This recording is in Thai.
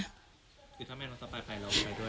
คือถ้าแม่น้องสปายไปเราก็ไปด้วย